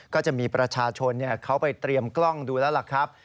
ก็จะมีประชาชนเขาไปเตรียมกล้องดูแล้วล่ะครับ